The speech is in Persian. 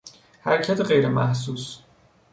حرکت غیرمحسوس